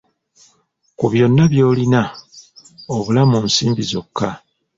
Ku byonna by'olina, obulamu nsimbi zokka!